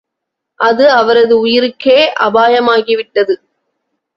அது அவரது உயிருக்கே அபாயமாகி விட்டது.